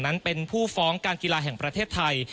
นั้นเป็นผู้ฟ้องการกีฬาแห่งประเทศไทย